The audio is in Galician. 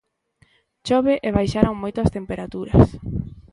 Chove e baixaron moito as temperaturas.